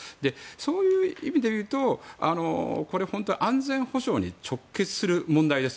そういう意味で言うと本当に安全保障に直結する問題です。